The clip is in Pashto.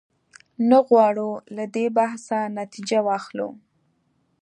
نه غواړو له دې بحثه نتیجه واخلو.